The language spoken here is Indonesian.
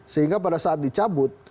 sehingga pada saat dicabut